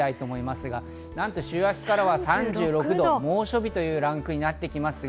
なんと週明けからは３６度、猛暑日というランクになってきます。